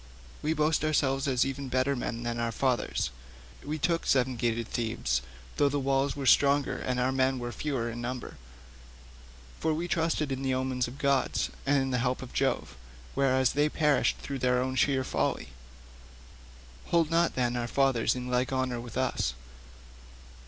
We boast ourselves as even better men than our fathers; we took seven gated Thebes, though the wall was stronger and our men were fewer in number, for we trusted in the omens of the gods and in the help of Jove, whereas they perished through their own sheer folly; hold not, then, our fathers in like honour with us."